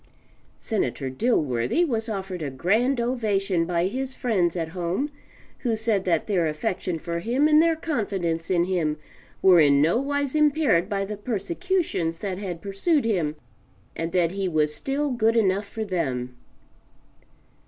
Senator Dilworthy was offered a grand ovation by his friends at home, who said that their affection for him and their confidence in him were in no wise impaired by the persecutions that had pursued him, and that he was still good enough for them.